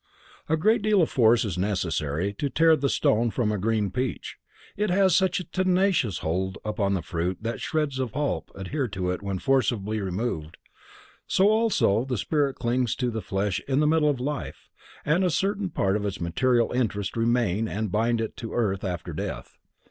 A great deal of force is necessary to tear the stone from a green peach; it has such a tenacious hold upon the fruit that shreds of pulp adhere to it when forcibly removed, so also the spirit clings to the flesh in middle life and a certain part of its material interest remain and bind it to earth after death.